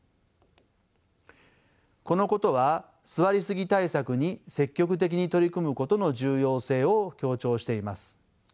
このことは座りすぎ対策に積極的に取り組むことの重要性を強調しています。